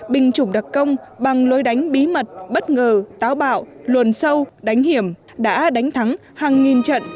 binh chủng đặc công bằng lối đánh bí mật bất ngờ táo bạo luồn sâu đánh hiểm đã đánh thắng hàng nghìn trận